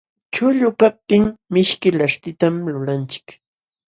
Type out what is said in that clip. Chuqllu kaptin mishki laśhtitan lulanchik.